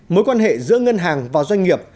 mối quan hệ giữa ngân hàng và doanh nghiệp